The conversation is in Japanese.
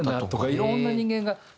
いろんな人間が始終